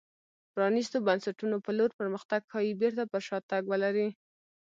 پرانېستو بنسټونو په لور پرمختګ ښايي بېرته پر شا تګ ولري.